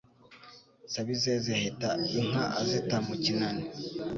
Sebizeze ahita inka azita mu kinani